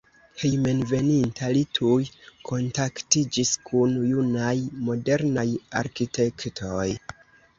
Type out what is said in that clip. Hejmenveninta li tuj kontaktiĝis kun junaj modernaj arkitektoj.